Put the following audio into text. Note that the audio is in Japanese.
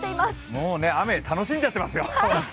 もうね、雨、楽しんじゃってますよ。